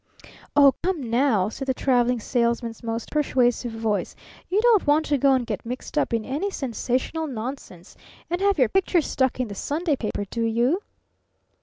"Oh come, now!" said the Traveling Salesman's most persuasive voice. "You don't want to go and get mixed up in any sensational nonsense and have your picture stuck in the Sunday paper, do you?"